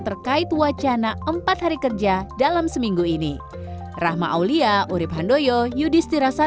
terkait wacana empat hari kerja dalam seminggu ini